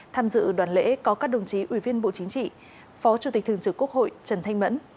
tham dự đoàn lễ có các đồng chí ủy viên bộ chính trị phó chủ tịch thường trực quốc hội trần thanh mẫn